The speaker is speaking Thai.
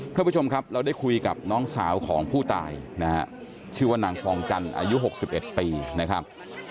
ท่านผู้ชมครับเราได้คุยกับน้องสาวของผู้ตายนะฮะชื่อว่านางทองจันทร์อายุ๖๑ปีนะครับ